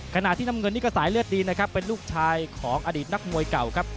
ขณะที่น้ำเงินนี่ก็สายเลือดดีนะครับเป็นลูกชายของอดีตนักมวยเก่าครับ